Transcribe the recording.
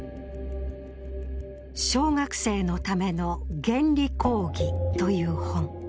「小学生のための原理講義」という本。